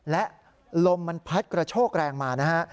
และลมมันพัดกระโชกแรงมานะฮะ